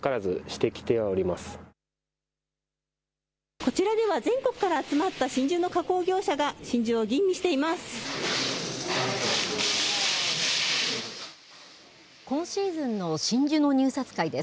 こちらでは全国から集まった真珠の加工業者が、真珠を吟味しています。